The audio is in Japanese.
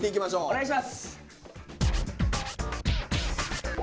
お願いします。